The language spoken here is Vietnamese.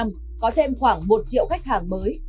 hàng năm có thêm khoảng một triệu khách hàng mới